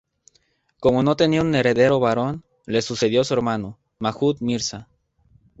Como no tenía un heredero varón, le sucedió su hermano, Mahmud Mirza.